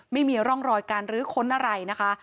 ไม่มีร่องรอยการรื้อค้นอะไรนะคะ